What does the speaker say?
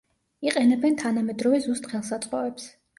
იყენებენ თანამედროვე ზუსტ ხელსაწყოებს.